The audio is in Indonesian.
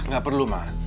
gak perlu ma